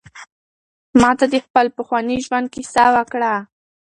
ما ته د خپل پخواني ژوند کیسه وکړه.